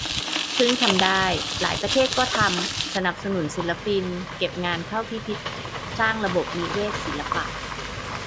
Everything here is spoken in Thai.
ซึ่งทำได้ หลายประเทศก็ทำ สนับสนุนศิลปิน เก็บงานเข้าพิพิธ สร้างระบบนิเวศศิลปะ